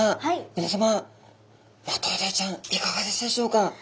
皆さまマトウダイちゃんいかがでしたでしょうか？